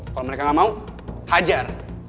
kalo mereka gak mau hajar